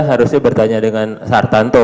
harusnya bertanya dengan pak artanto